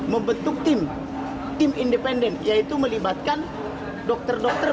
membentuk tim tim independen yaitu melibatkan dokter dokter